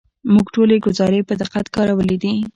موږ ټولې ګزارې په دقت کارولې دي.